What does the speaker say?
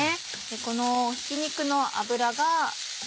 このひき肉の脂が。